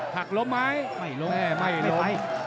หักล้มไหมไม่ล้ม